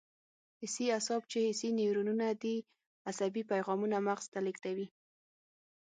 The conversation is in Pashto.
حسي اعصاب چې حسي نیورونونه دي عصبي پیغامونه مغز ته لېږدوي.